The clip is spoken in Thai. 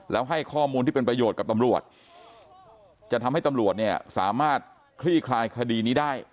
แล้วให้ข้อมูลที่เป็นประโยชน์กับตำรวจจะทำให้ตำรวจเนี่ยสามารถคลี่คลายคดีนี้ได้